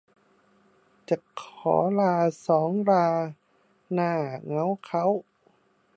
จะขอลาสองราหน้าเง้าเค้า